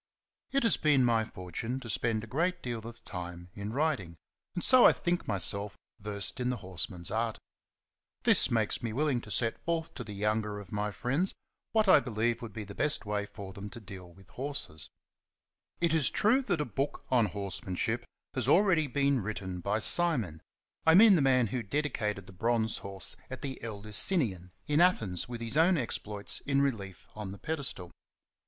TT has been my fortune to spend a great deal of time in riding, and so I think myself versed in the horseman's art. This makes me willing to set forth to the younger of my friends what I believe would be the best way for them to deal with horses. It is true that a book on horsemanship has already been written by Simon :' I mean the man who dedicated the bronze horse at the Eleusinion" in Athens with his own exploits I The numerals refer to the Notes, p. 119 ff. 14 XENOPHON ON HORSEMANSHIP. in relief on the pedestal.